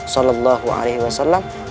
salamu alaikum warahmatullahi wabarakatuh